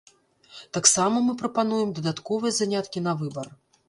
Таксама мы прапануем дадатковыя заняткі на выбар.